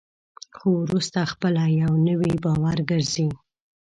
خو وروسته خپله یو نوی باور ګرځي.